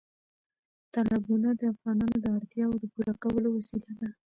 تالابونه د افغانانو د اړتیاوو د پوره کولو وسیله ده.